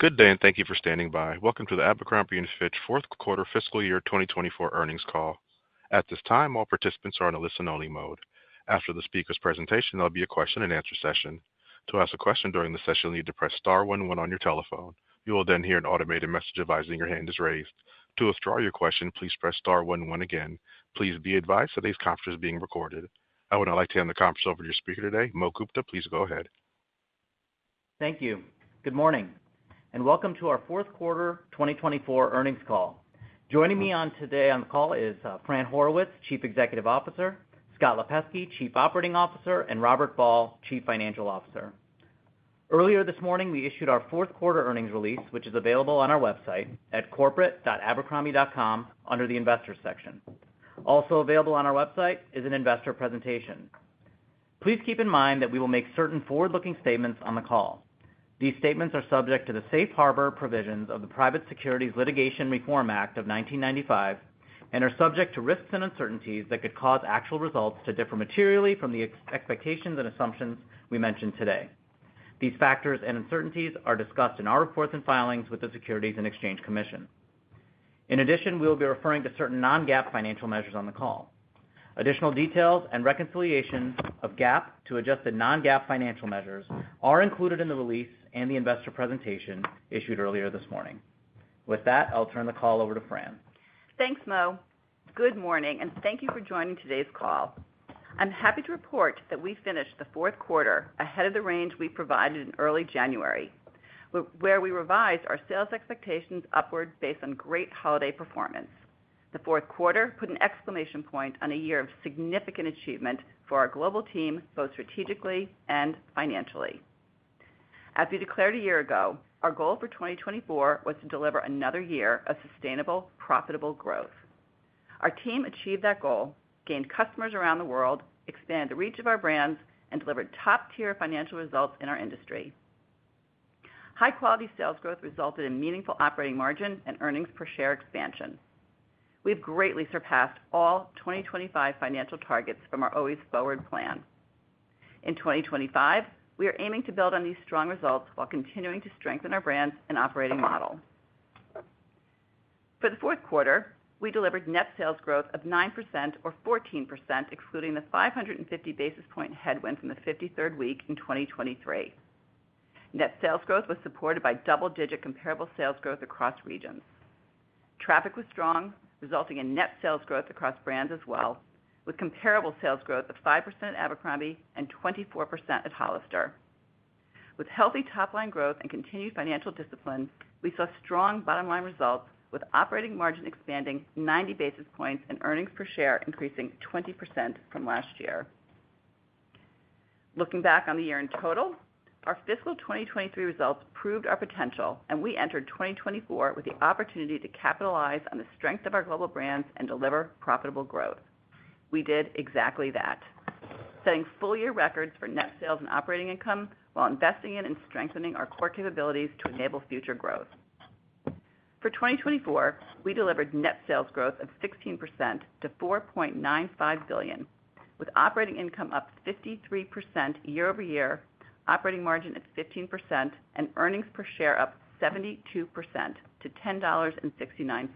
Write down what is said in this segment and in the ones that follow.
Good day, and thank you for standing by. Welcome to the Abercrombie & Fitch Fourth Quarter Fiscal Year 2024 earnings call. At this time, all participants are on a listen-only mode. After the speaker's presentation, there'll be a question-and-answer session. To ask a question during the session, you need to "press star one one" on your telephone. You will then hear an automated message advising your hand is raised. To withdraw your question, please "press star one one" again. Please be advised today's conference is being recorded. I would now like to hand the conference over to your speaker today, Mohit Gupta. Please go ahead. Thank you. Good morning, and welcome to our Fourth Quarter 2024 earnings call. Joining me today on the call is Fran Horowitz, Chief Executive Officer, Scott Lipesky, Chief Operating Officer, and Robert Ball, Chief Financial Officer. Earlier this morning, we issued our Fourth Quarter Earnings Release, which is available on our website at corporate.abercrombie.com under the Investors section. Also available on our website is an investor presentation. Please keep in mind that we will make certain forward-looking statements on the call. These statements are subject to the safe harbor provisions of the Private Securities Litigation Reform Act of 1995 and are subject to risks and uncertainties that could cause actual results to differ materially from the expectations and assumptions we mentioned today. These factors and uncertainties are discussed in our reports and filings with the Securities and Exchange Commission. In addition, we will be referring to certain non-GAAP financial measures on the call. Additional details and reconciliation of GAAP to adjusted non-GAAP financial measures are included in the release and the investor presentation issued earlier this morning. With that, I'll turn the call over to Fran. Thanks, Mo. Good morning, and thank you for joining today's call. I'm happy to report that we finished the fourth quarter ahead of the range we provided in early January, where we revised our sales expectations upward based on great holiday performance. The fourth quarter put an exclamation point on a year of significant achievement for our global team, both strategically and financially. As we declared a year ago, our goal for 2024 was to deliver another year of sustainable, profitable growth. Our team achieved that goal, gained customers around the world, expanded the reach of our brands, and delivered top-tier financial results in our industry. High-quality sales growth resulted in meaningful operating margin and earnings per share expansion. We've greatly surpassed all 2025 financial targets from our Always Forward Plan. In 2025, we are aiming to build on these strong results while continuing to strengthen our brand and operating model. For the fourth quarter, we delivered net sales growth of 9% or 14%, excluding the 550 basis point headwind from the 53rd week in 2023. Net sales growth was supported by double-digit comparable sales growth across regions. Traffic was strong, resulting in net sales growth across brands as well, with comparable sales growth of 5% at Abercrombie & Fitch and 24% at Hollister. With healthy top-line growth and continued financial discipline, we saw strong bottom-line results, with operating margin expanding 90 basis points and earnings per share increasing 20% from last year. Looking back on the year in total, our fiscal 2023 results proved our potential, and we entered 2024 with the opportunity to capitalize on the strength of our global brands and deliver profitable growth. We did exactly that, setting full-year records for net sales and operating income while investing in and strengthening our core capabilities to enable future growth. For 2024, we delivered net sales growth of 16% to $4.95 billion, with operating income up 53% year-over-year, operating margin at 15%, and earnings per share up 72% to $10.69.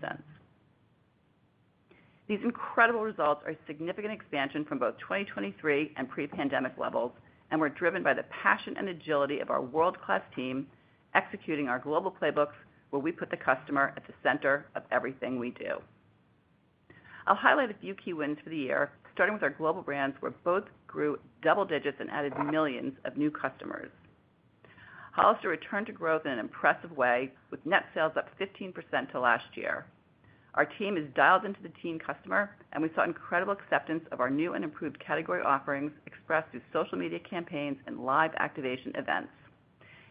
These incredible results are a significant expansion from both 2023 and pre-pandemic levels and were driven by the passion and agility of our world-class team executing our global playbooks, where we put the customer at the center of everything we do. I'll highlight a few key wins for the year, starting with our global brands, where both grew double digits and added millions of new customers. Hollister returned to growth in an impressive way, with net sales up 15% to last year. Our team is dialed into the teen customer, and we saw incredible acceptance of our new and improved category offerings expressed through social media campaigns and live activation events.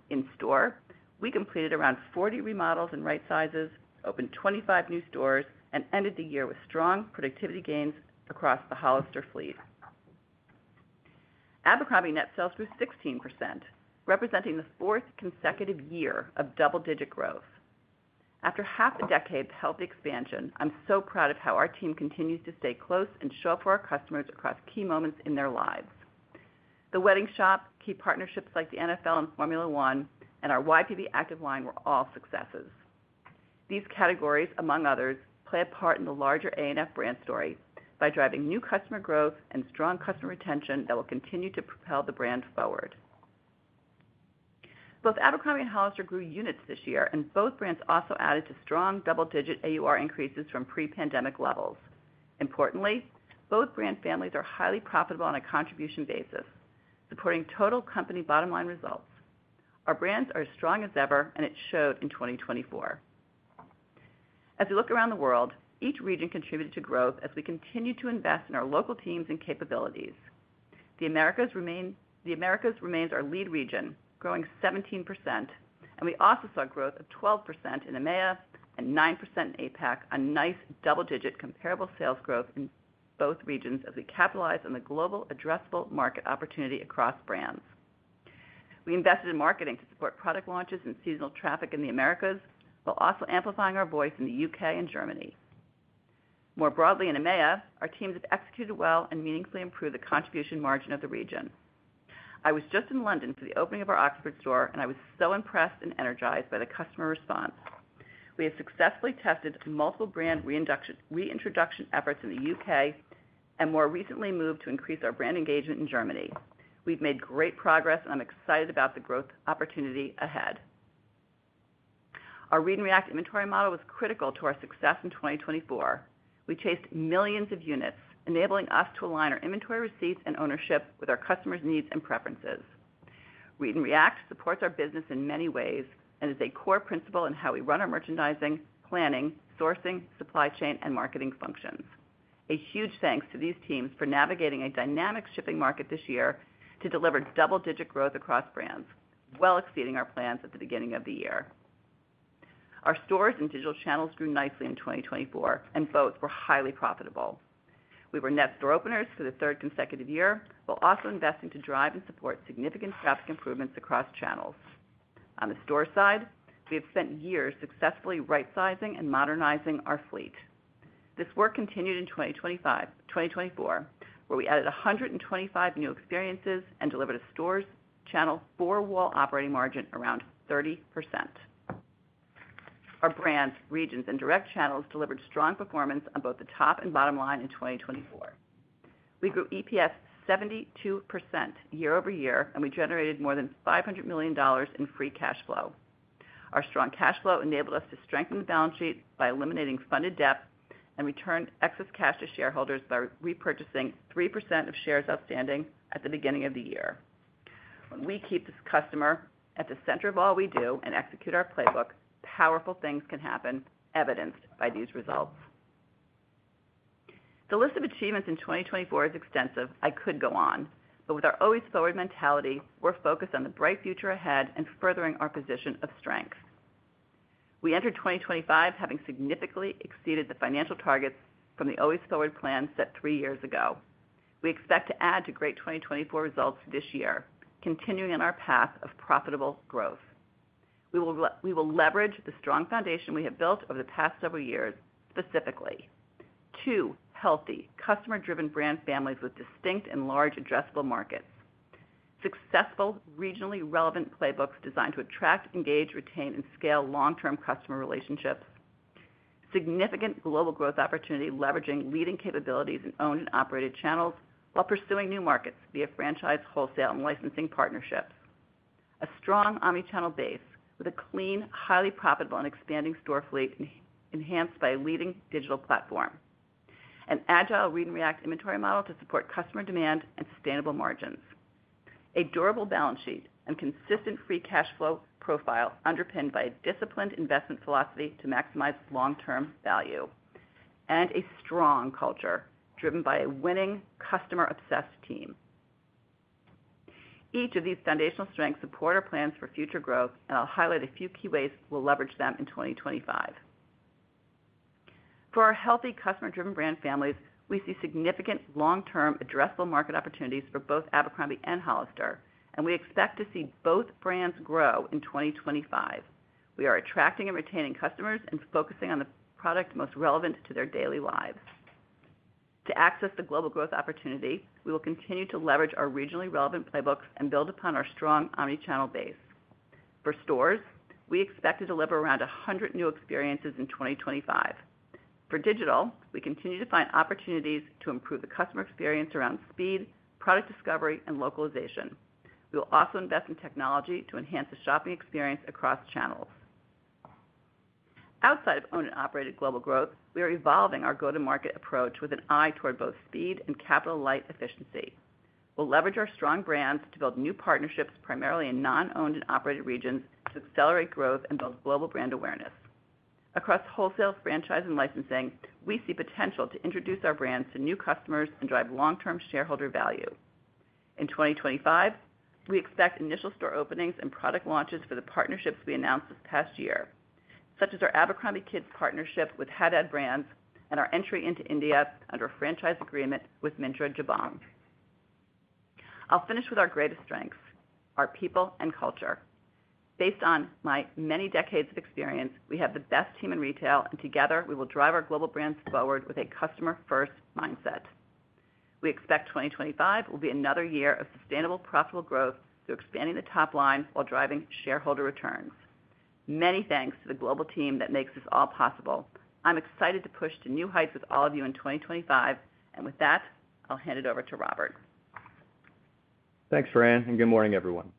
In store, we completed around 40 remodels and right sizes, opened 25 new stores, and ended the year with strong productivity gains across the Hollister fleet. Abercrombie net sales grew 16%, representing the fourth consecutive year of double-digit growth. After half a decade of healthy expansion, I'm so proud of how our team continues to stay close and show up for our customers across key moments in their lives. The Wedding Shop, key partnerships like the NFL and Formula 1, and our YPB Active line were all successes. These categories, among others, play a part in the larger A&F brand story by driving new customer growth and strong customer retention that will continue to propel the brand forward. Both Abercrombie and Hollister grew units this year, and both brands also added to strong double-digit AUR increases from pre-pandemic levels. Importantly, both brand families are highly profitable on a contribution basis, supporting total company bottom-line results. Our brands are as strong as ever, and it showed in 2024. As we look around the world, each region contributed to growth as we continued to invest in our local teams and capabilities. The Americas remains our lead region, growing 17%, and we also saw growth of 12% in EMEA and 9% in APAC, a nice double-digit comparable sales growth in both regions as we capitalized on the global addressable market opportunity across brands. We invested in marketing to support product launches and seasonal traffic in the Americas while also amplifying our voice in the UK and Germany. More broadly, in EMEA, our teams have executed well and meaningfully improved the contribution margin of the region. I was just in London for the opening of our Oxford store, and I was so impressed and energized by the customer response. We have successfully tested multiple brand reintroduction efforts in the UK and more recently moved to increase our brand engagement in Germany. We've made great progress, and I'm excited about the growth opportunity ahead. Our Read & React inventory model was critical to our success in 2024. We chased millions of units, enabling us to align our inventory receipts and ownership with our customers' needs and preferences. Read & React supports our business in many ways and is a core principle in how we run our merchandising, planning, sourcing, supply chain, and marketing functions. A huge thanks to these teams for navigating a dynamic shipping market this year to deliver double-digit growth across brands, well exceeding our plans at the beginning of the year. Our stores and digital channels grew nicely in 2024, and both were highly profitable. We were net store openers for the third consecutive year while also investing to drive and support significant traffic improvements across channels. On the store side, we have spent years successfully right-sizing and modernizing our fleet. This work continued in 2024, where we added 125 new experiences and delivered a stores channel four-wall operating margin around 30%. Our brands, regions, and direct channels delivered strong performance on both the top and bottom line in 2024. We grew EPS 72% year-over-year, and we generated more than $500 million in free cash flow. Our strong cash flow enabled us to strengthen the balance sheet by eliminating funded debt and returned excess cash to shareholders by repurchasing 3% of shares outstanding at the beginning of the year. When we keep this customer at the center of all we do and execute our playbook, powerful things can happen, evidenced by these results. The list of achievements in 2024 is extensive. I could go on, but with our Always Forward mentality, we're focused on the bright future ahead and furthering our position of strength. We entered 2025 having significantly exceeded the financial targets from the Always Forward Plan set three years ago. We expect to add to great 2024 results this year, continuing on our path of profitable growth. We will leverage the strong foundation we have built over the past several years specifically: two healthy, customer-driven brand families with distinct and large addressable markets, successful, regionally relevant playbooks designed to attract, engage, retain, and scale long-term customer relationships, significant global growth opportunity leveraging leading capabilities in owned and operated channels while pursuing new markets via franchise, wholesale, and licensing partnerships, a strong omnichannel base with a clean, highly profitable, and expanding store fleet enhanced by a leading digital platform, an agile Read & React inventory model to support customer demand and sustainable margins, a durable balance sheet and consistent free cash flow profile underpinned by a disciplined investment philosophy to maximize long-term value, and a strong culture driven by a winning, customer-obsessed team. Each of these foundational strengths support our plans for future growth, and I'll highlight a few key ways we'll leverage them in 2025. For our healthy, customer-driven brand families, we see significant long-term addressable market opportunities for both Abercrombie & Hollister, and we expect to see both brands grow in 2025. We are attracting and retaining customers and focusing on the product most relevant to their daily lives. To access the global growth opportunity, we will continue to leverage our regionally relevant playbooks and build upon our strong omnichannel base. For stores, we expect to deliver around 100 new experiences in 2025. For digital, we continue to find opportunities to improve the customer experience around speed, product discovery, and localization. We will also invest in technology to enhance the shopping experience across channels. Outside of owned and operated global growth, we are evolving our go-to-market approach with an eye toward both speed and capital-light efficiency. We'll leverage our strong brands to build new partnerships, primarily in non-owned and operated regions, to accelerate growth and build global brand awareness. Across wholesale, franchise, and licensing, we see potential to introduce our brands to new customers and drive long-term shareholder value. In 2025, we expect initial store openings and product launches for the partnerships we announced this past year, such as our Abercrombie & Fitch partnership with Haddad Brands and our entry into India under a franchise agreement with Myntra. I'll finish with our greatest strengths: our people and culture. Based on my many decades of experience, we have the best team in retail, and together, we will drive our global brands forward with a customer-first mindset. We expect 2025 will be another year of sustainable, profitable growth through expanding the top line while driving shareholder returns. Many thanks to the global team that makes this all possible. I'm excited to push to new heights with all of you in 2025, and with that, I'll hand it over to Robert. Thanks, Fran, and good morning, everyone.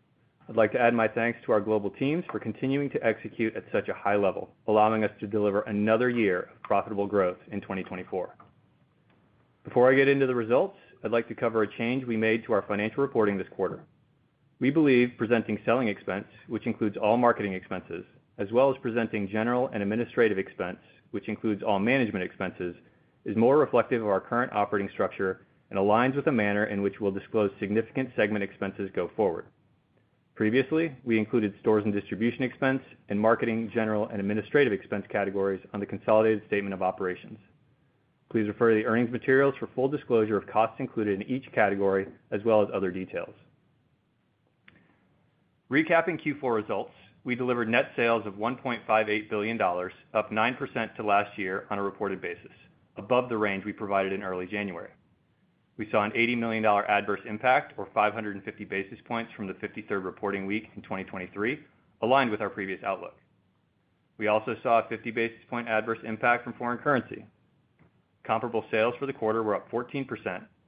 I'd like to add my thanks to our global teams for continuing to execute at such a high level, allowing us to deliver another year of profitable growth in 2024. Before I get into the results, I'd like to cover a change we made to our financial reporting this quarter. We believe presenting selling expense, which includes all marketing expenses, as well as presenting general and administrative expense, which includes all management expenses, is more reflective of our current operating structure and aligns with the manner in which we'll disclose significant segment expenses go forward. Previously, we included stores and distribution expense and marketing, general, and administrative expense categories on the consolidated statement of operations. Please refer to the earnings materials for full disclosure of costs included in each category, as well as other details. Recapping Q4 results, we delivered net sales of $1.58 billion, up 9% to last year on a reported basis, above the range we provided in early January. We saw an $80 million adverse impact, or 550 basis points from the 53rd reporting week in 2023, aligned with our previous outlook. We also saw a 50 basis points adverse impact from foreign currency. Comparable sales for the quarter were up 14%,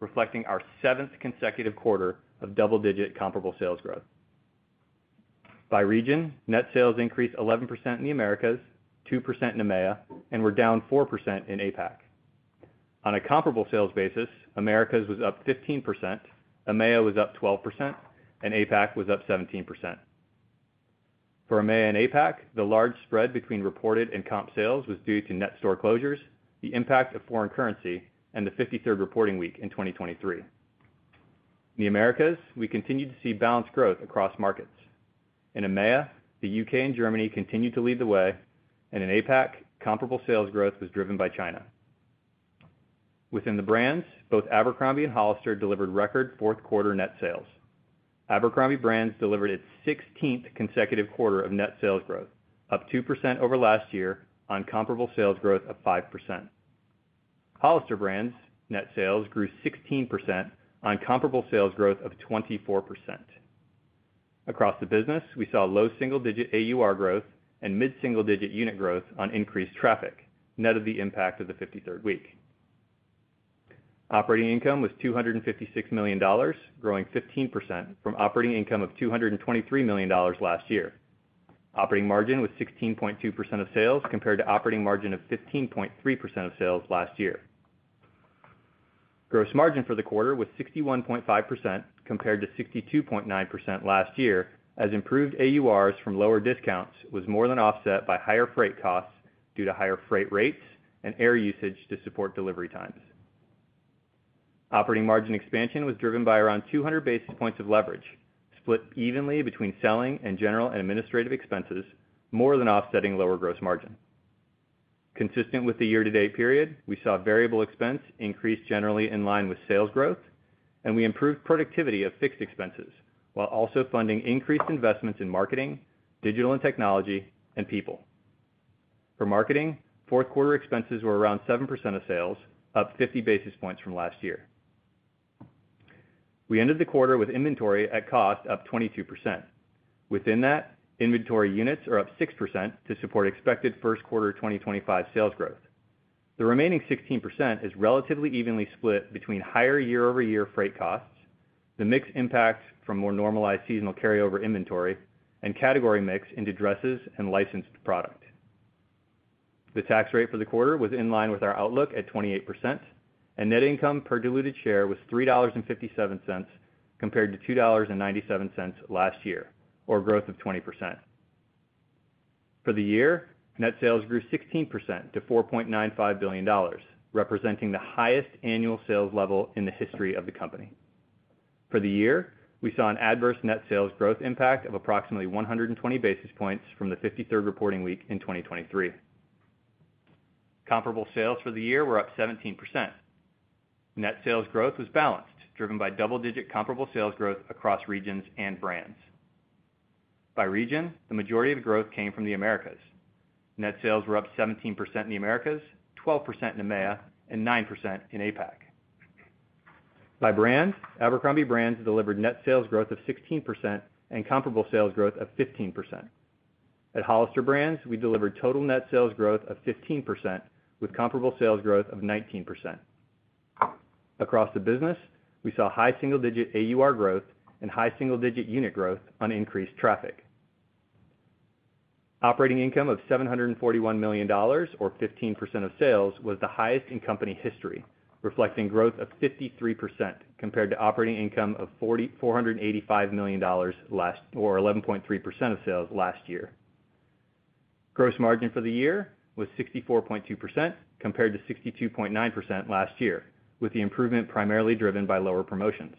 reflecting our seventh consecutive quarter of double-digit comparable sales growth. By region, net sales increased 11% in the Americas, 2% in EMEA, and were down 4% in APAC. On a comparable sales basis, Americas was up 15%, EMEA was up 12%, and APAC was up 17%. For EMEA and APAC, the large spread between reported and comp sales was due to net store closures, the impact of foreign currency, and the 53rd reporting week in 2023. In the Americas, we continued to see balanced growth across markets. In EMEA, the UK and Germany continued to lead the way, and in APAC, comparable sales growth was driven by China. Within the brands, both Abercrombie & Hollister delivered record fourth quarter net sales. Abercrombie & Fitch brands delivered its 16th consecutive quarter of net sales growth, up 2% over last year on comparable sales growth of 5%. Hollister brands' net sales grew 16% on comparable sales growth of 24%. Across the business, we saw low single-digit AUR growth and mid-single-digit unit growth on increased traffic, net of the impact of the 53rd week. Operating income was $256 million, growing 15% from operating income of $223 million last year. Operating margin was 16.2% of sales compared to operating margin of 15.3% of sales last year. Gross margin for the quarter was 61.5% compared to 62.9% last year, as improved AURs from lower discounts was more than offset by higher freight costs due to higher freight rates and air usage to support delivery times. Operating margin expansion was driven by around 200 basis points of leverage, split evenly between selling and general and administrative expenses, more than offsetting lower gross margin. Consistent with the year-to-date period, we saw variable expense increase generally in line with sales growth, and we improved productivity of fixed expenses while also funding increased investments in marketing, digital and technology, and people. For marketing, fourth quarter expenses were around 7% of sales, up 50 basis points from last year. We ended the quarter with inventory at cost up 22%. Within that, inventory units are up 6% to support expected first quarter 2025 sales growth. The remaining 16% is relatively evenly split between higher year-over-year freight costs, the mixed impact from more normalized seasonal carryover inventory, and category mix into dresses and licensed product. The tax rate for the quarter was in line with our outlook at 28%, and net income per diluted share was $3.57 compared to $2.97 last year, or a growth of 20%. For the year, net sales grew 16% to $4.95 billion, representing the highest annual sales level in the history of the company. For the year, we saw an adverse net sales growth impact of approximately 120 basis points from the 53rd reporting week in 2023. Comparable sales for the year were up 17%. Net sales growth was balanced, driven by double-digit comparable sales growth across regions and brands. By region, the majority of the growth came from the Americas. Net sales were up 17% in the Americas, 12% in EMEA, and 9% in APAC. By brand, Abercrombie & Fitch brands delivered net sales growth of 16% and comparable sales growth of 15%. At Hollister brands, we delivered total net sales growth of 15% with comparable sales growth of 19%. Across the business, we saw high single-digit AUR growth and high single-digit unit growth on increased traffic. Operating income of $741 million, or 15% of sales, was the highest in company history, reflecting growth of 53% compared to operating income of $485 million or 11.3% of sales last year. Gross margin for the year was 64.2% compared to 62.9% last year, with the improvement primarily driven by lower promotions.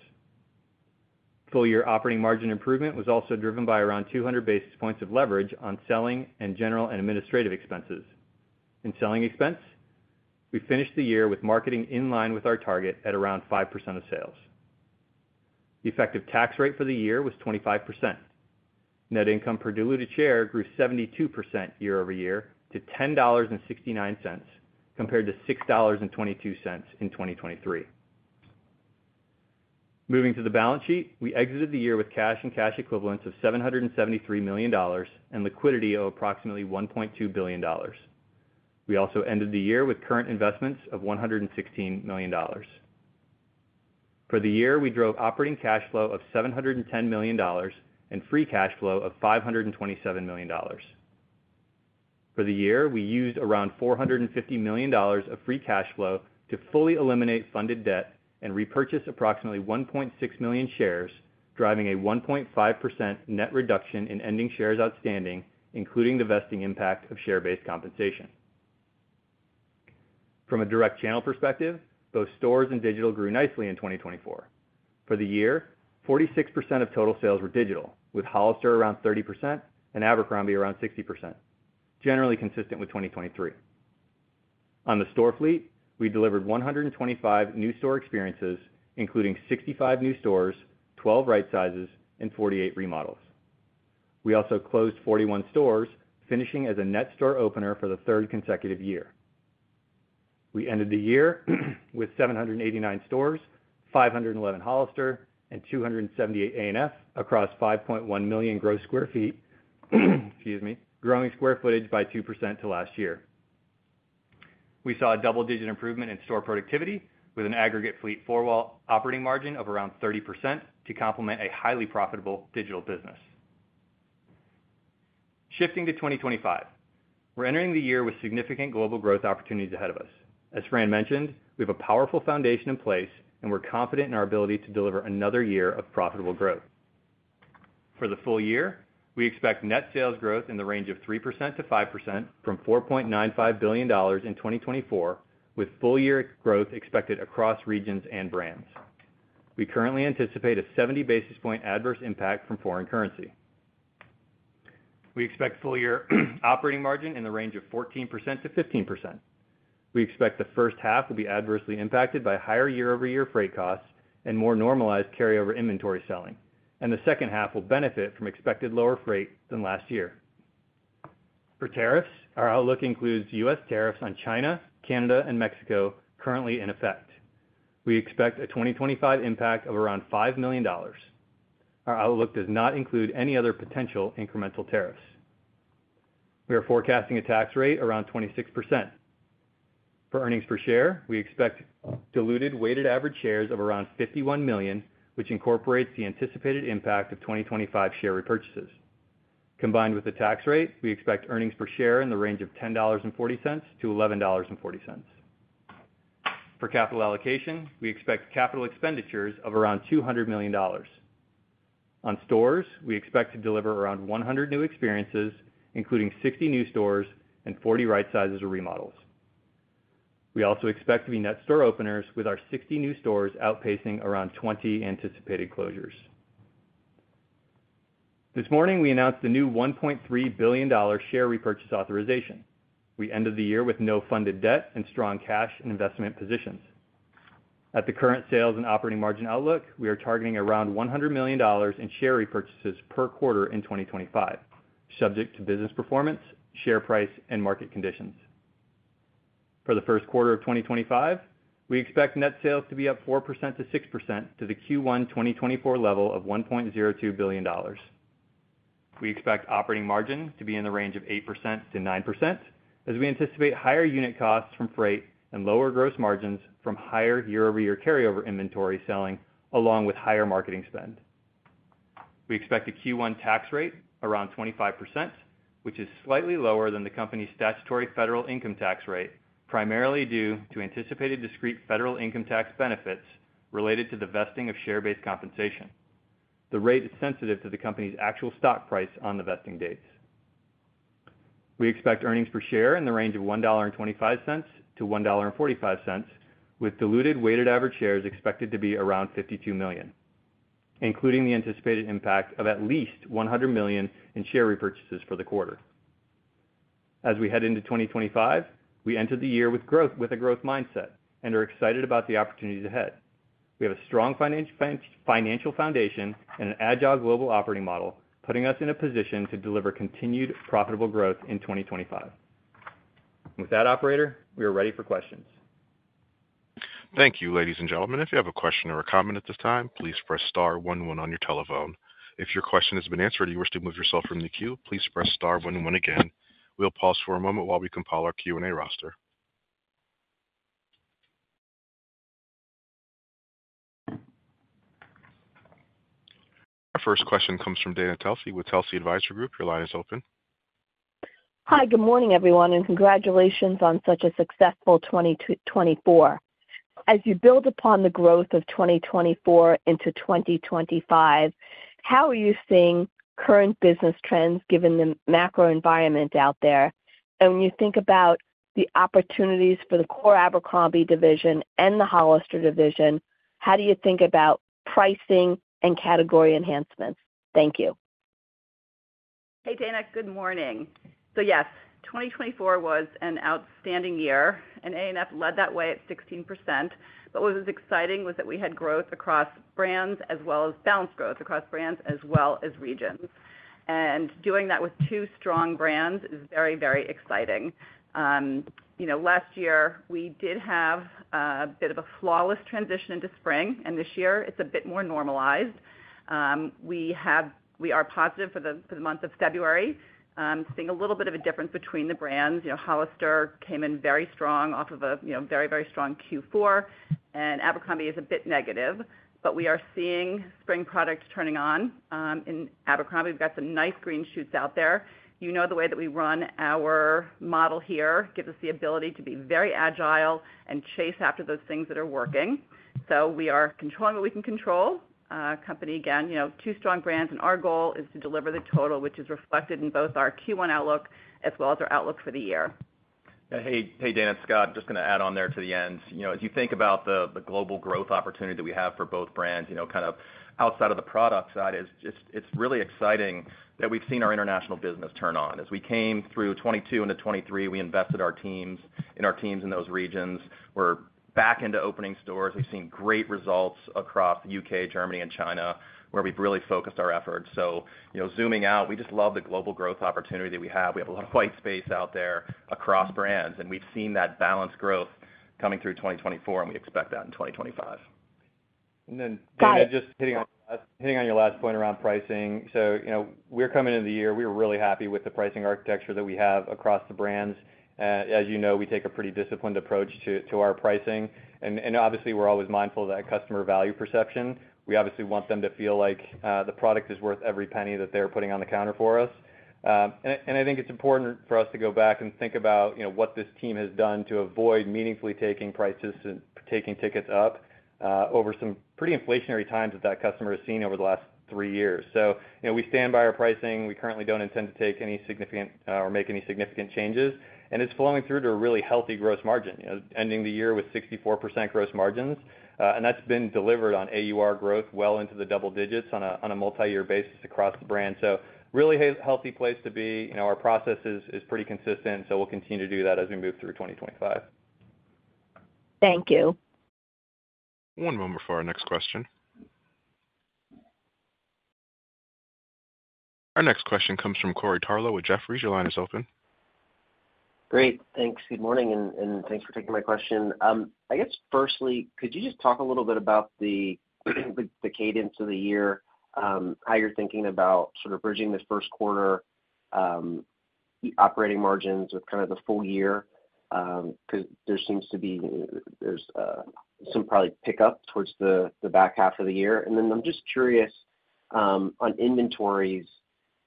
Full-year operating margin improvement was also driven by around 200 basis points of leverage on selling and general and administrative expenses. In selling expense, we finished the year with marketing in line with our target at around 5% of sales. The effective tax rate for the year was 25%. Net income per diluted share grew 72% year-over-year to $10.69 compared to $6.22 in 2023. Moving to the balance sheet, we exited the year with cash and cash equivalents of $773 million and liquidity of approximately $1.2 billion. We also ended the year with current investments of $116 million. For the year, we drove operating cash flow of $710 million and free cash flow of $527 million. For the year, we used around $450 million of free cash flow to fully eliminate funded debt and repurchase approximately 1.6 million shares, driving a 1.5% net reduction in ending shares outstanding, including the vesting impact of share-based compensation. From a direct channel perspective, both stores and digital grew nicely in 2024. For the year, 46% of total sales were digital, with Hollister around 30% and Abercrombie around 60%, generally consistent with 2023. On the store fleet, we delivered 125 new store experiences, including 65 new stores, 12 right sizes, and 48 remodels. We also closed 41 stores, finishing as a net store opener for the third consecutive year. We ended the year with 789 stores, 511 Hollister, and 278 A&F across 5.1 million gross sq ft growing square footage by 2% to last year. We saw a double-digit improvement in store productivity, with an aggregate fleet four-wall operating margin of around 30% to complement a highly profitable digital business. Shifting to 2025, we're entering the year with significant global growth opportunities ahead of us. As Fran mentioned, we have a powerful foundation in place, and we're confident in our ability to deliver another year of profitable growth. For the full year, we expect net sales growth in the range of 3% to 5% from $4.95 billion in 2024, with full-year growth expected across regions and brands. We currently anticipate a 70 basis points adverse impact from foreign currency. We expect full-year operating margin in the range of 14% to 15%. We expect the first half will be adversely impacted by higher year-over-year freight costs and more normalized carryover inventory selling, and the second half will benefit from expected lower freight than last year. For tariffs, our outlook includes U.S. tariffs on China, Canada, and Mexico currently in effect. We expect a 2025 impact of around $5 million. Our outlook does not include any other potential incremental tariffs. We are forecasting a tax rate around 26%. For earnings per share, we expect diluted weighted average shares of around 51 million, which incorporates the anticipated impact of 2025 share repurchases. Combined with the tax rate, we expect earnings per share in the range of $10.40 to $11.40. For capital allocation, we expect capital expenditures of around $200 million. On stores, we expect to deliver around 100 new experiences, including 60 new stores and 40 right sizes or remodels. We also expect to be net store openers with our 60 new stores outpacing around 20 anticipated closures. This morning, we announced the new $1.3 billion share repurchase authorization. We ended the year with no funded debt and strong cash and investment positions. At the current sales and operating margin outlook, we are targeting around $100 million in share repurchases per quarter in 2025, subject to business performance, share price, and market conditions. For the first quarter of 2025, we expect net sales to be up 4% to 6% to the Q1 2024 level of $1.02 billion. We expect operating margin to be in the range of 8% to 9%, as we anticipate higher unit costs from freight and lower gross margins from higher year-over-year carryover inventory selling, along with higher marketing spend. We expect a Q1 tax rate around 25%, which is slightly lower than the company's statutory federal income tax rate, primarily due to anticipated discrete federal income tax benefits related to the vesting of share-based compensation. The rate is sensitive to the company's actual stock price on the vesting dates. We expect earnings per share in the range of $1.25 to 1.45, with diluted weighted average shares expected to be around 52 million, including the anticipated impact of at least $100 million in share repurchases for the quarter. As we head into 2025, we entered the year with a growth mindset and are excited about the opportunities ahead. We have a strong financial foundation and an agile global operating model, putting us in a position to deliver continued profitable growth in 2025. With that, operator, we are ready for questions. Thank you, ladies and gentlemen. If you have a question or a comment at this time, please "press star one one" on your telephone. If your question has been answered and you wish to move yourself from the queue, please "press star one one" again. We'll pause for a moment while we compile our Q&A roster. Our first question comes from Dana Telsey with Telsey Advisory Group. Your line is open. Hi, good morning, everyone, and congratulations on such a successful 2024. As you build upon the growth of 2024 into 2025, how are you seeing current business trends given the macro environment out there? And when you think about the opportunities for the core Abercrombie division and the Hollister division, how do you think about pricing and category enhancements? Thank you. Hey, Dana. Good morning. So yes, 2024 was an outstanding year, and A&F led that way at 16%, but what was exciting was that we had growth across brands as well as balanced growth across brands as well as regions, and doing that with two strong brands is very, very exciting. Last year, we did have a bit of a flawless transition into spring, and this year it's a bit more normalized. We are positive for the month of February, seeing a little bit of a difference between the brands. Hollister came in very strong off of a very, very strong Q4, and Abercrombie is a bit negative, but we are seeing spring products turning on. In Abercrombie, we've got some nice green shoots out there. You know the way that we run our model here gives us the ability to be very agile and chase after those things that are working. So we are controlling what we can control. Company, again, two strong brands, and our goal is to deliver the total, which is reflected in both our Q1 outlook as well as our outlook for the year. Hey, Dana. Scott, I'm just going to add on there to the end. As you think about the global growth opportunity that we have for both brands, kind of outside of the product side, it's really exciting that we've seen our international business turn on. As we came through 2022 into 2023, we invested our teams in our teams in those regions. We're back into opening stores. We've seen great results across the United Kingdom, Germany, and China, where we've really focused our efforts. So zooming out, we just love the global growth opportunity that we have. We have a lot of white space out there across brands, and we've seen that balanced growth coming through 2024, and we expect that in 2025. And then, Dana, just hitting on your last point around pricing. So we're coming into the year. We're really happy with the pricing architecture that we have across the brands. As you know, we take a pretty disciplined approach to our pricing. And obviously, we're always mindful of that customer value perception. We obviously want them to feel like the product is worth every penny that they're putting on the counter for us. And I think it's important for us to go back and think about what this team has done to avoid meaningfully taking prices and taking tickets up over some pretty inflationary times that that customer has seen over the last three years. So we stand by our pricing. We currently don't intend to take any significant or make any significant changes. And it's flowing through to a really healthy gross margin, ending the year with 64% gross margins. And that's been delivered on AUR growth well into the double digits on a multi-year basis across the brand. So really healthy place to be. Our process is pretty consistent, so we'll continue to do that as we move through 2025. Thank you. One moment for our next question. Our next question comes from Corey Tarlowe with Jefferies. Your line is open. Great. Thanks. Good morning, and thanks for taking my question. I guess, firstly, could you just talk a little bit about the cadence of the year, how you're thinking about sort of bridging the first quarter operating margins with kind of the full year? Because there seems to be some probably pickup towards the back half of the year. And then I'm just curious on inventories,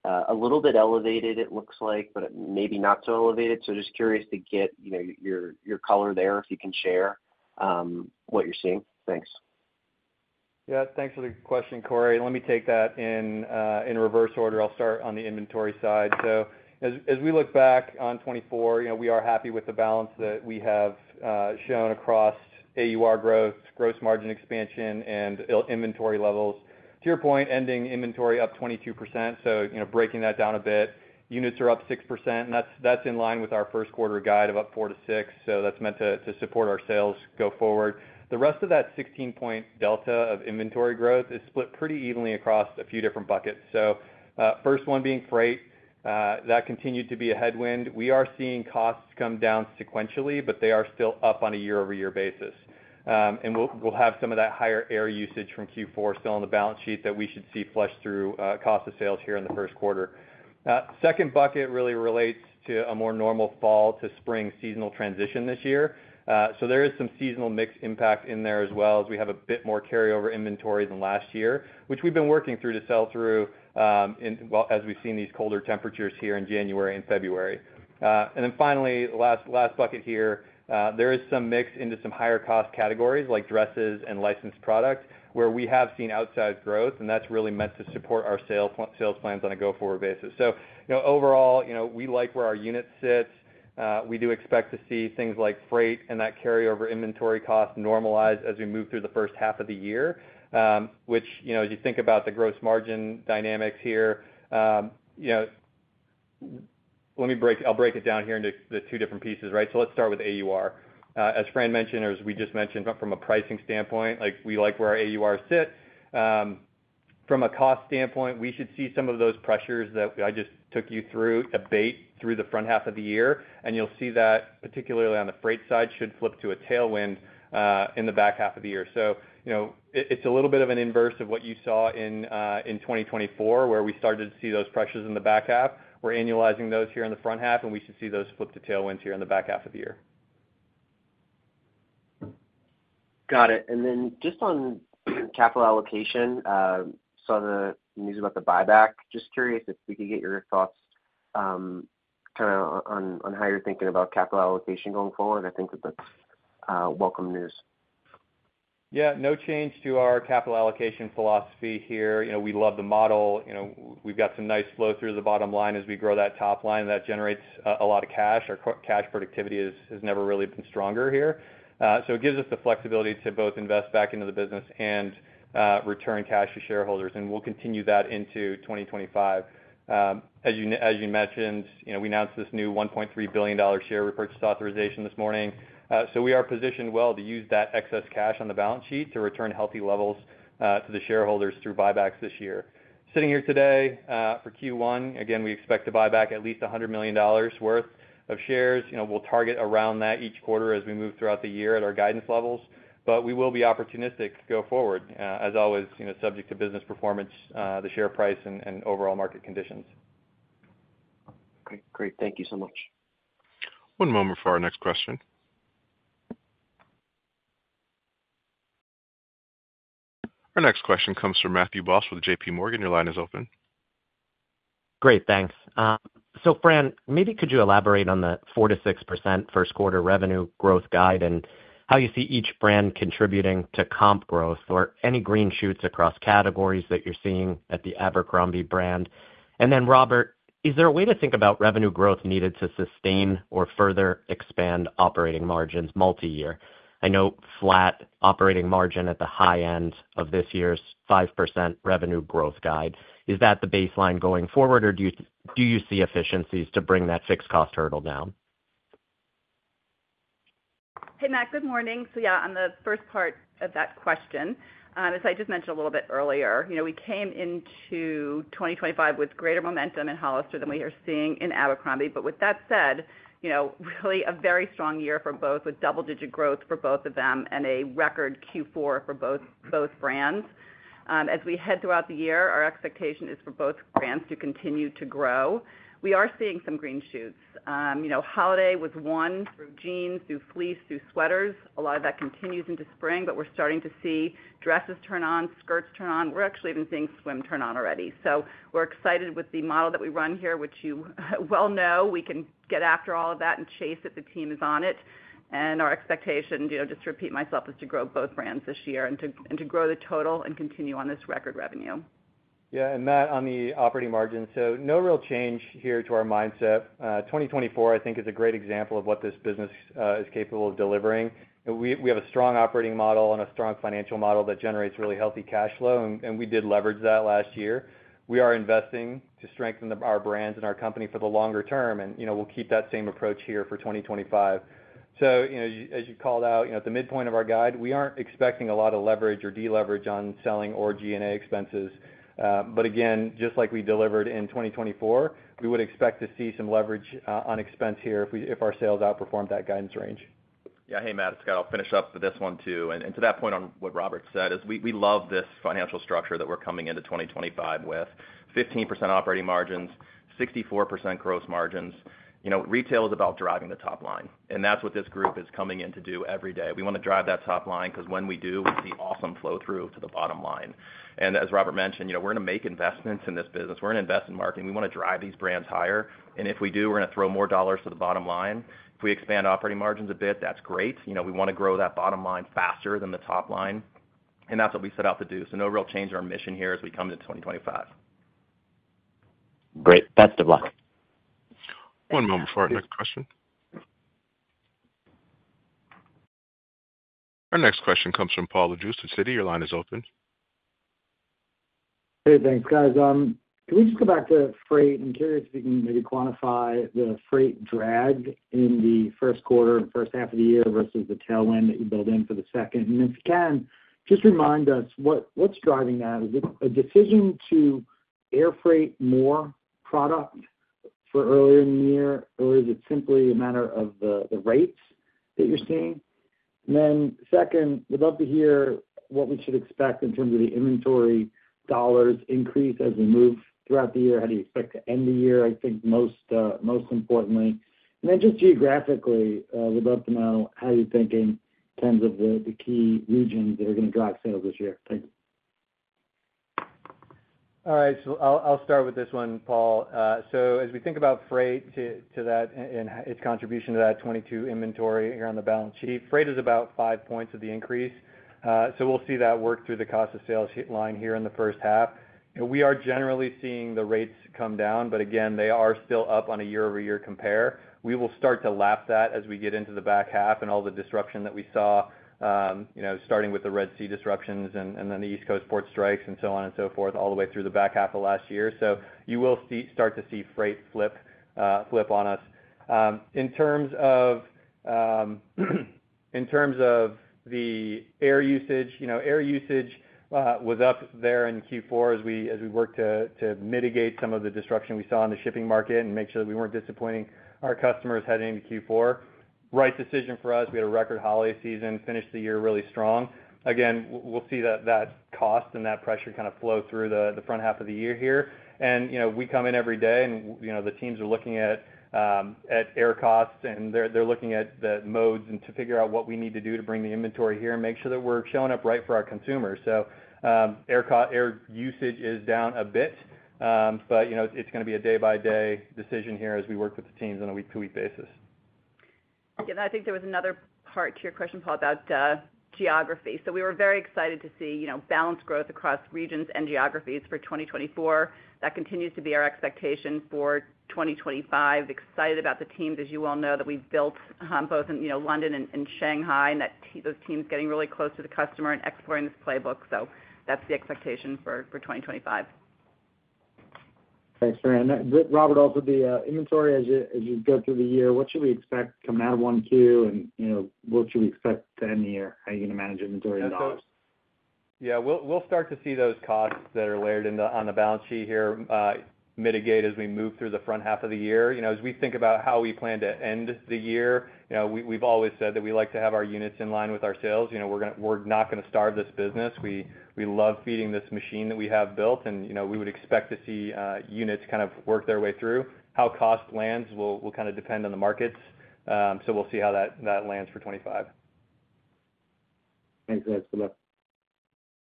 a little bit elevated, it looks like, but maybe not so elevated. So just curious to get your color there if you can share what you're seeing. Thanks. Yeah. Thanks for the question, Corey. Let me take that in reverse order. I'll start on the inventory side. So as we look back on 2024, we are happy with the balance that we have shown across AUR growth, gross margin expansion, and inventory levels. To your point, ending inventory up 22%. So breaking that down a bit, units are up 6%, and that's in line with our first quarter guide of up 4% to 6%. So that's meant to support our sales go forward. The rest of that 16-point delta of inventory growth is split pretty evenly across a few different buckets. So first one being freight, that continued to be a headwind. We are seeing costs come down sequentially, but they are still up on a year-over-year basis. We'll have some of that higher air usage from Q4 still on the balance sheet that we should see flush through cost of sales here in the first quarter. Second bucket really relates to a more normal fall to spring seasonal transition this year. So there is some seasonal mixed impact in there as well as we have a bit more carryover inventory than last year, which we've been working through to sell through as we've seen these colder temperatures here in January and February. And then finally, last bucket here, there is some mix into some higher cost categories like dresses and licensed products, where we have seen outsized growth, and that's really meant to support our sales plans on a go-forward basis. So overall, we like where our unit sits. We do expect to see things like freight and that carryover inventory cost normalize as we move through the first half of the year, which as you think about the gross margin dynamics here, I'll break it down here into the two different pieces. Right? So let's start with AUR. As Fran mentioned, or as we just mentioned, from a pricing standpoint, we like where our AUR sit. From a cost standpoint, we should see some of those pressures that I just took you through abate through the front half of the year, and you'll see that particularly on the freight side should flip to a tailwind in the back half of the year. So it's a little bit of an inverse of what you saw in 2024, where we started to see those pressures in the back half. We're annualizing those here in the front half, and we should see those flip to tailwinds here in the back half of the year. Got it. And then just on capital allocation, saw the news about the buyback. Just curious if we could get your thoughts kind of on how you're thinking about capital allocation going forward. I think that that's welcome news. Yeah. No change to our capital allocation philosophy here. We love the model. We've got some nice flow through the bottom line as we grow that top line, and that generates a lot of cash. Our cash productivity has never really been stronger here. So it gives us the flexibility to both invest back into the business and return cash to shareholders, and we'll continue that into 2025. As you mentioned, we announced this new $1.3 billion share repurchase authorization this morning. So we are positioned well to use that excess cash on the balance sheet to return healthy levels to the shareholders through buybacks this year. Sitting here today for Q1, again, we expect to buy back at least $100 million worth of shares. We'll target around that each quarter as we move throughout the year at our guidance levels. But we will be opportunistic to go forward, as always, subject to business performance, the share price, and overall market conditions. Great. Thank you so much. One moment for our next question. Our next question comes from Matthew Boss with J.P. Morgan. Your line is open. Great. Thanks. So Fran, maybe could you elaborate on the 4% to 6% first quarter revenue growth guide and how you see each brand contributing to comp growth or any green shoots across categories that you're seeing at the Abercrombie brand? And then Robert, is there a way to think about revenue growth needed to sustain or further expand operating margins multi-year? I know flat operating margin at the high end of this year's 5% revenue growth guide. Is that the baseline going forward, or do you see efficiencies to bring that fixed cost hurdle down? Hey, Matt. Good morning. So yeah, on the first part of that question, as I just mentioned a little bit earlier, we came into 2025 with greater momentum in Hollister than we are seeing in Abercrombie. But with that said, really a very strong year for both, with double-digit growth for both of them and a record Q4 for both brands. As we head throughout the year, our expectation is for both brands to continue to grow. We are seeing some green shoots. Holiday was won through jeans, through fleece, through sweaters. A lot of that continues into spring, but we're starting to see dresses turn on, skirts turn on. We're actually even seeing swim turn on already. So we're excited with the model that we run here, which you well know. We can get after all of that and chase it. The team is on it. Our expectation, just to repeat myself, is to grow both brands this year and to grow the total and continue on this record revenue. Yeah. And Matt, on the operating margins, so no real change here to our mindset. 2024, I think, is a great example of what this business is capable of delivering. We have a strong operating model and a strong financial model that generates really healthy cash flow, and we did leverage that last year. We are investing to strengthen our brands and our company for the longer term, and we'll keep that same approach here for 2025. So as you called out, at the midpoint of our guide, we aren't expecting a lot of leverage or deleverage on Selling or G&A expenses. But again, just like we delivered in 2024, we would expect to see some leverage on expense here if our sales outperformed that guidance range. Yeah. Hey, Matt. Scott, I'll finish up with this one too. And to that point on what Robert said, we love this financial structure that we're coming into 2025 with 15% operating margins, 64% gross margins. Retail is about driving the top line, and that's what this group is coming in to do every day. We want to drive that top line because when we do, we see awesome flow through to the bottom line. And as Robert mentioned, we're going to make investments in this business. We're going to invest in marketing. We want to drive these brands higher. And if we do, we're going to throw more dollars to the bottom line. If we expand operating margins a bit, that's great. We want to grow that bottom line faster than the top line. And that's what we set out to do. No real change in our mission here as we come into 2025. Great. Best of luck. One moment for our next question. Our next question comes from Paul Lejuez of Citi. Your line is open. Hey, thanks, guys. Can we just go back to freight? I'm curious if you can maybe quantify the freight drag in the first quarter and first half of the year versus the tailwind that you build in for the second. And if you can, just remind us, what's driving that? Is it a decision to air freight more product for earlier in the year, or is it simply a matter of the rates that you're seeing? And then second, we'd love to hear what we should expect in terms of the inventory dollars increase as we move throughout the year. How do you expect to end the year, I think most importantly? And then just geographically, we'd love to know how you're thinking in terms of the key regions that are going to drive sales this year. Thanks. All right, so I'll start with this one, Paul. So as we think about freight to that and its contribution to that 2022 inventory here on the balance sheet, freight is about five points of the increase. So we'll see that work through the cost of sales line here in the first half. We are generally seeing the rates come down, but again, they are still up on a year-over-year compare. We will start to lap that as we get into the back half and all the disruption that we saw, starting with the Red Sea disruptions and then the East Coast port strikes and so on and so forth, all the way through the back half of last year. So you will start to see freight flip on us. In terms of the air usage, air usage was up there in Q4 as we worked to mitigate some of the disruption we saw in the shipping market and make sure that we weren't disappointing our customers heading into Q4. Right decision for us. We had a record holiday season, finished the year really strong. Again, we'll see that cost and that pressure kind of flow through the front half of the year here, and we come in every day, and the teams are looking at air costs, and they're looking at the modes and to figure out what we need to do to bring the inventory here and make sure that we're showing up right for our consumers, so air usage is down a bit, but it's going to be a day-by-day decision here as we work with the teams on a week-to-week basis. Yeah. I think there was another part to your question, Paul, about geography. So we were very excited to see balanced growth across regions and geographies for 2024. That continues to be our expectation for 2025. Excited about the teams, as you all know, that we've built both in London and Shanghai, and those teams getting really close to the customer and exploring this playbook. So that's the expectation for 2025. Thanks, Fran. Robert, also the inventory as you go through the year, what should we expect coming out of Q1 and what should we expect to end the year? How are you going to manage inventory and dollars? Yeah. We'll start to see those costs that are layered on the balance sheet here mitigate as we move through the front half of the year. As we think about how we plan to end the year, we've always said that we like to have our units in line with our sales. We're not going to starve this business. We love feeding this machine that we have built, and we would expect to see units kind of work their way through. How cost lands, we'll kind of depend on the markets, so we'll see how that lands for 2025. Thanks, guys. Good luck.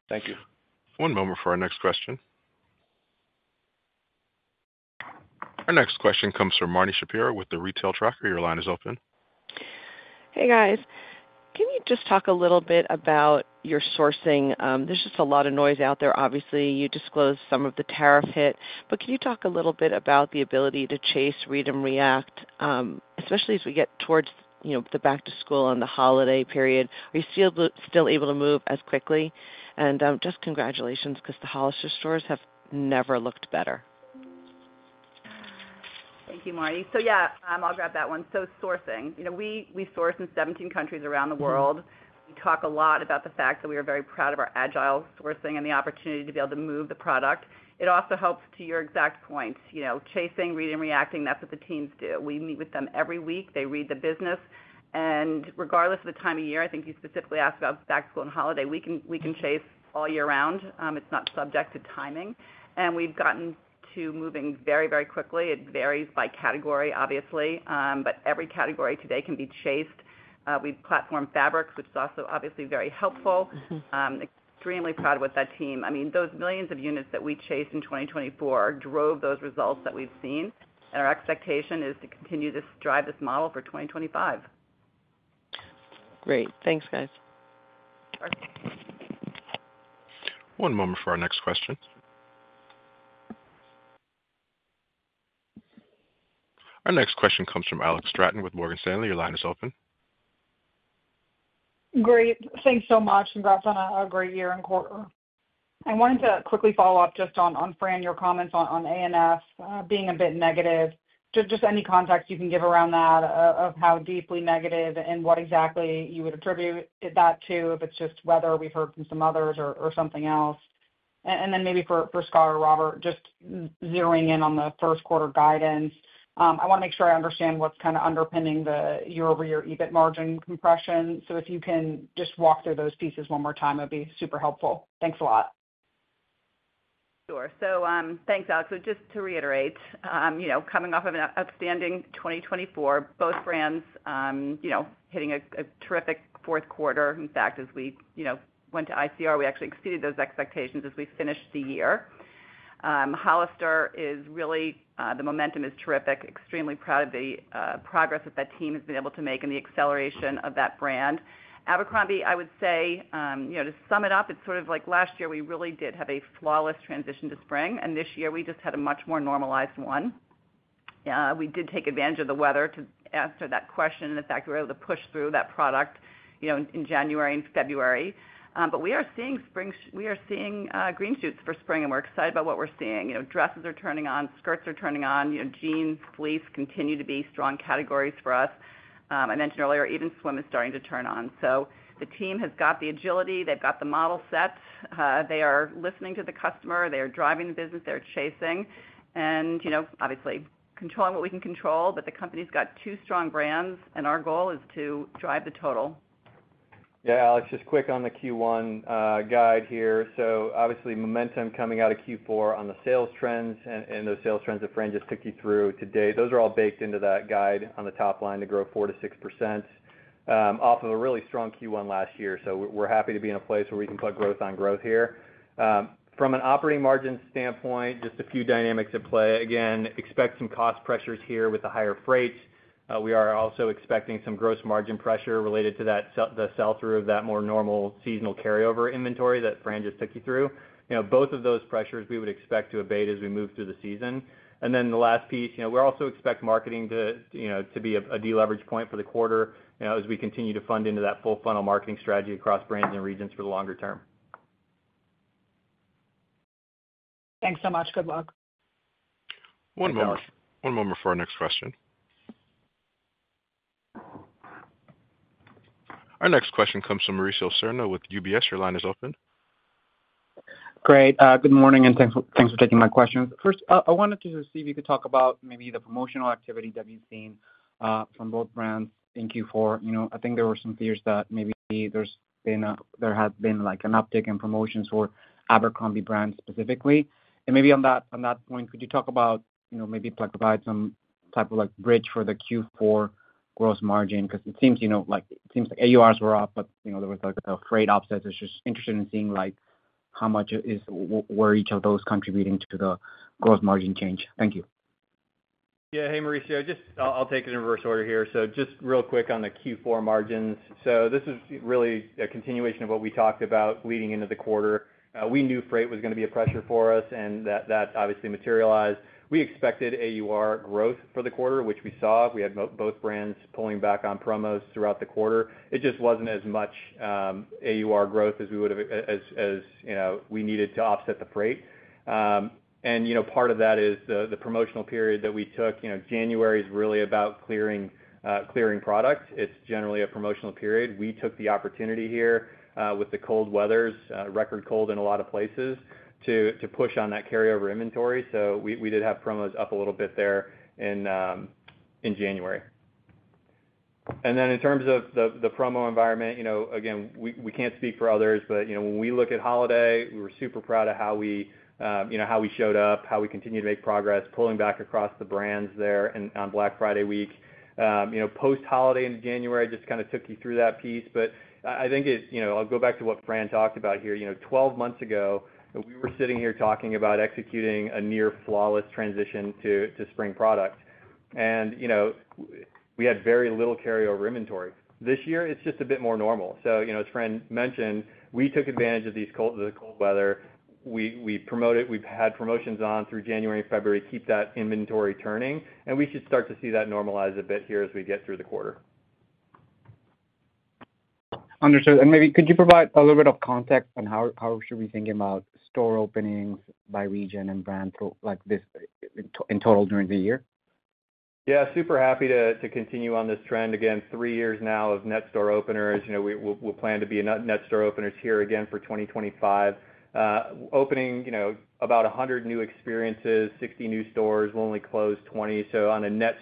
Thank you. One moment for our next question. Our next question comes from Marni Shapiro with The Retail Tracker. Your line is open. Hey, guys. Can you just talk a little bit about your sourcing? There's just a lot of noise out there. Obviously, you disclosed some of the tariff hit. But can you talk a little bit about the ability to chase, Read and React, especially as we get towards the back-to-school and the holiday period? Are you still able to move as quickly, and just congratulations because the Hollister stores have never looked better. Thank you, Marni. So yeah, I'll grab that one. So sourcing. We source in 17 countries around the world. We talk a lot about the fact that we are very proud of our agile sourcing and the opportunity to be able to move the product. It also helps to your exact point. Chasing, reading, reacting, that's what the teams do. We meet with them every week. They read the business. And regardless of the time of year, I think you specifically asked about back-to-school and holiday. We can chase all year round. It's not subject to timing. And we've gotten to moving very, very quickly. It varies by category, obviously, but every category today can be chased. We've platformed fabrics, which is also obviously very helpful. Extremely proud of what that team. I mean, those millions of units that we chased in 2024 drove those results that we've seen. Our expectation is to continue to drive this model for 2025. Great. Thanks, guys. One moment for our next question. Our next question comes from Alex Straton with Morgan Stanley. Your line is open. Great. Thanks so much. Congrats on a great year and quarter. I wanted to quickly follow up just on Fran, your comments on A&F being a bit negative. Just any context you can give around that of how deeply negative and what exactly you would attribute that to, if it's just weather. We've heard from some others or something else. And then maybe for Scott or Robert, just zeroing in on the first quarter guidance. I want to make sure I understand what's kind of underpinning your year-over-year EBIT margin compression. So if you can just walk through those pieces one more time, it would be super helpful. Thanks a lot. Sure. So thanks, Alex. So just to reiterate, coming off of an outstanding 2024, both brands hitting a terrific fourth quarter. In fact, as we went to ICR, we actually exceeded those expectations as we finished the year. Hollister, really, the momentum is terrific. Extremely proud of the progress that team has been able to make and the acceleration of that brand. Abercrombie, I would say, to sum it up, it's sort of like last year we really did have a flawless transition to spring. And this year, we just had a much more normalized one. We did take advantage of the weather to answer that question. And in fact, we were able to push through that product in January and February. But we are seeing green shoots for spring, and we're excited about what we're seeing. Dresses are turning on. Skirts are turning on. Jeans, fleece continue to be strong categories for us. I mentioned earlier, even swim is starting to turn on, so the team has got the agility. They've got the model set. They are listening to the customer. They are driving the business. They're chasing, and obviously, controlling what we can control, but the company's got two strong brands, and our goal is to drive the total. Yeah. Alex, just quick on the Q1 guide here. So obviously, momentum coming out of Q4 on the sales trends. And those sales trends that Fran just took you through today, those are all baked into that guide on the top line to grow 4% to 6% off of a really strong Q1 last year. So we're happy to be in a place where we can put growth on growth here. From an operating margin standpoint, just a few dynamics at play. Again, expect some cost pressures here with the higher freight. We are also expecting some gross margin pressure related to the sell-through of that more normal seasonal carry-over inventory that Fran just took you through. Both of those pressures we would expect to abate as we move through the season. And then the last piece, we also expect marketing to be a deleverage point for the quarter as we continue to fund into that full-funnel marketing strategy across brands and regions for the longer term. Thanks so much. Good luck. One moment for our next question. Our next question comes from Mauricio Serna with UBS. Your line is open. Great. Good morning, and thanks for taking my questions. First, I wanted to see if you could talk about maybe the promotional activity that we've seen from both brands in Q4. I think there were some fears that maybe there had been an uptick in promotions for Abercrombie brands specifically. And maybe on that point, could you talk about maybe provide some type of bridge for the Q4 gross margin? Because it seems like AURs were up, but there was a freight offset. Just interested in seeing how much were each of those contributing to the gross margin change. Thank you. Yeah. Hey, Mauricio. I'll take it in reverse order here. So just real quick on the Q4 margins. So this is really a continuation of what we talked about leading into the quarter. We knew freight was going to be a pressure for us, and that obviously materialized. We expected AUR growth for the quarter, which we saw. We had both brands pulling back on promos throughout the quarter. It just wasn't as much AUR growth as we needed to offset the freight. And part of that is the promotional period that we took. January is really about clearing product. It's generally a promotional period. We took the opportunity here with the cold weather, record cold in a lot of places, to push on that carryover inventory. So we did have promos up a little bit there in January. And then in terms of the promo environment, again, we can't speak for others, but when we look at holiday, we were super proud of how we showed up, how we continued to make progress, pulling back across the brands there on Black Friday week. Post-holiday in January just kind of took you through that piece. But I think I'll go back to what Fran talked about here. Twelve months ago, we were sitting here talking about executing a near-flawless transition to spring product. And we had very little carryover inventory. This year, it's just a bit more normal. So as Fran mentioned, we took advantage of the cold weather. We promote it. We've had promotions on through January, February, keep that inventory turning. And we should start to see that normalize a bit here as we get through the quarter. Understood. And maybe could you provide a little bit of context on how should we think about store openings by region and brand in total during the year? Yeah. Super happy to continue on this trend. Again, three years now of net store openers. We'll plan to be net store openers here again for 2025, opening about 100 new experiences, 60 new stores. We'll only close 20. So on a net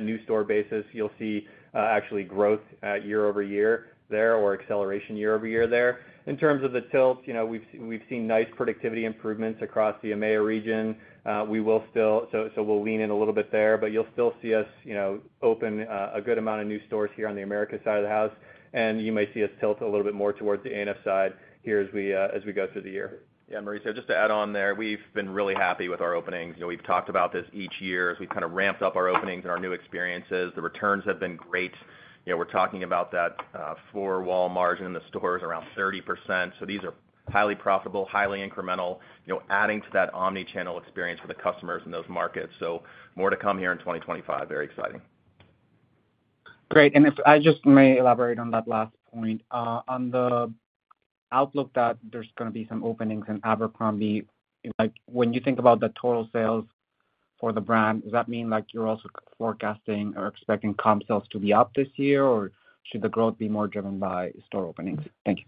new store basis, you'll see actually growth year-over-year there or acceleration year-over-year there. In terms of the tilt, we've seen nice productivity improvements across the EMEA region. So we'll lean in a little bit there. But you'll still see us open a good amount of new stores here on the Americas side of the house. And you may see us tilt a little bit more towards the A&F side here as we go through the year. Yeah, Mauricio, just to add on there, we've been really happy with our openings. We've talked about this each year as we've kind of ramped up our openings and our new experiences. The returns have been great. We're talking about that four-wall margin in the stores around 30%. So these are highly profitable, highly incremental, adding to that omnichannel experience for the customers in those markets. So more to come here in 2025. Very exciting. Great. And if I just may elaborate on that last point. On the outlook that there's going to be some openings in Abercrombie, when you think about the total sales for the brand, does that mean you're also forecasting or expecting comp sales to be up this year, or should the growth be more driven by store openings? Thank you.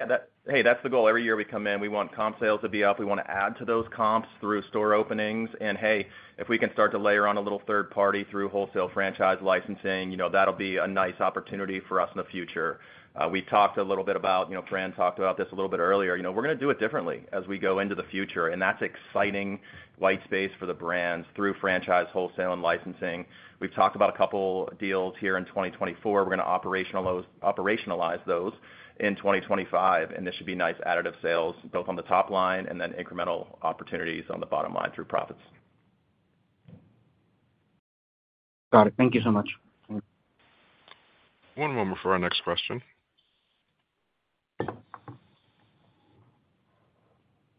Yeah. Hey, that's the goal. Every year we come in, we want comp sales to be up. We want to add to those comps through store openings. And hey, if we can start to layer on a little third-party through wholesale franchise licensing, that'll be a nice opportunity for us in the future. We talked a little bit about. Fran talked about this a little bit earlier. We're going to do it differently as we go into the future. And that's exciting white space for the brands through franchise, wholesale, and licensing. We've talked about a couple of deals here in 2024. We're going to operationalize those in 2025. And this should be nice additive sales, both on the top line and then incremental opportunities on the bottom line through profits. Got it. Thank you so much. One moment for our next question.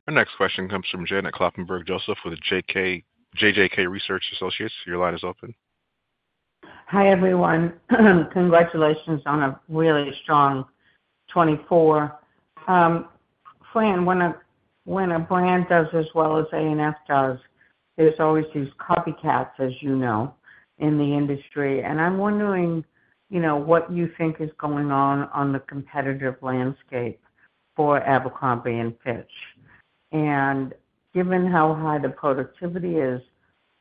Our next question comes from Janet Kloppenburg with JJK Research Associates. Your line is open. Hi everyone. Congratulations on a really strong 2024. Fran, when a brand does as well as A&F does, there's always these copycats, as you know, in the industry. And I'm wondering what you think is going on on the competitive landscape for Abercrombie & Fitch. And given how high the productivity is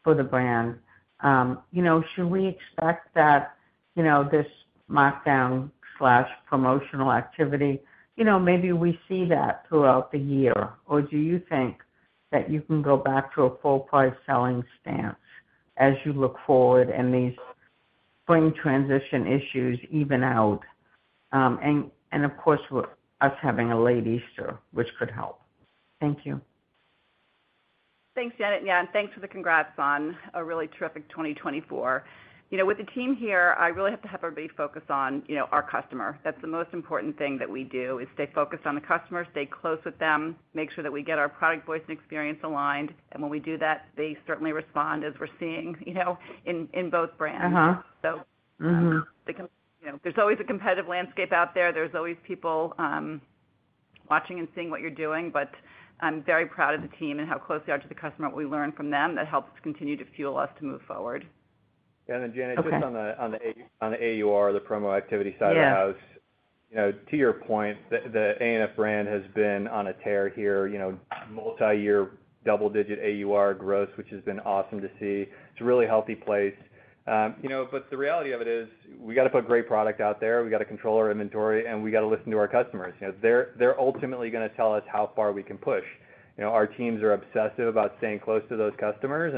for the brand, should we expect that this markdown/promotional activity, maybe we see that throughout the year? Or do you think that you can go back to a full-price selling stance as you look forward and these spring transition issues even out? And of course, us having a late Easter, which could help. Thank you. Thanks, Janet. Yeah, and thanks for the congrats on a really terrific 2024. With the team here, I really have to have everybody focus on our customer. That's the most important thing that we do, is stay focused on the customer, stay close with them, make sure that we get our product voice and experience aligned. And when we do that, they certainly respond, as we're seeing in both brands, so there's always a competitive landscape out there. There's always people watching and seeing what you're doing, but I'm very proud of the team and how close they are to the customer. We learn from them. That helps continue to fuel us to move forward. Yeah. And then Janet, just on the AUR, the promo activity side of the house, to your point, the A&F brand has been on a tear here, multi-year, double-digit AUR growth, which has been awesome to see. It's a really healthy place. But the reality of it is we got to put great product out there. We got to control our inventory. And we got to listen to our customers. They're ultimately going to tell us how far we can push. Our teams are obsessive about staying close to those customers.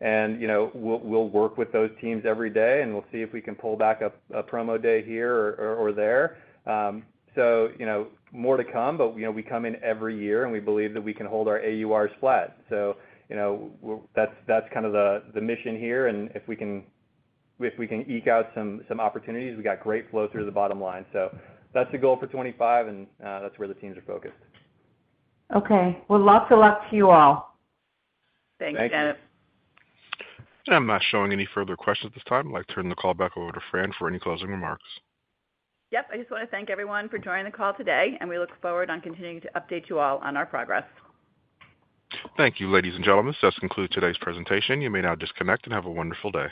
And we'll work with those teams every day. And we'll see if we can pull back a promo day here or there. So more to come. But we come in every year. And we believe that we can hold our AURs flat. So that's kind of the mission here. And if we can eke out some opportunities, we got great flow through the bottom line. So that's the goal for 2025. And that's where the teams are focused. Okay, well, lots of luck to you all. Thanks, Janet. I'm not showing any further questions at this time. I'd like to turn the call back over to Fran for any closing remarks. Yep. I just want to thank everyone for joining the call today, and we look forward to continuing to update you all on our progress. Thank you, ladies and gentlemen. This does conclude today's presentation. You may now disconnect and have a wonderful day.